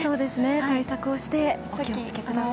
対策をしてお気を付けください。